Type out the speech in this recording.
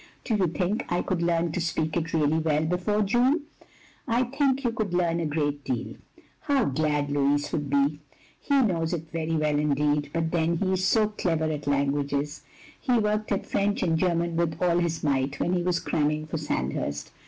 Do you think I could leam to speak it really well before June?" I think you could leam a great deal. "" How glad Louis would be. He knows it very well indeed, but then he is so clever at languages. He worked at French and German with all his might when he was cramming for Sandhurst.